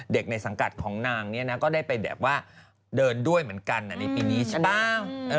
ในสังกัดของนางเนี่ยนะก็ได้ไปแบบว่าเดินด้วยเหมือนกันในปีนี้ใช่ป่ะ